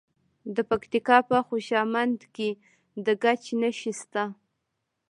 د پکتیکا په خوشامند کې د ګچ نښې شته.